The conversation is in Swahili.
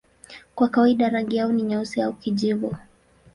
Kwa kawaida rangi yao ni nyeusi au kijivu.